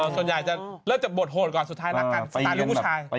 ส่วนใหญ่เริ่มจะบดโหดก่อนสุดท้ายรักกันตอนรุ่นผู้ชาย